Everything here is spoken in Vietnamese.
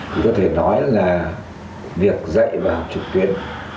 có thể nói là việc dạy và học trực tuyến